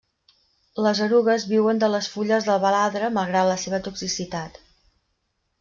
Les erugues viuen de les fulles del baladre malgrat la seva toxicitat.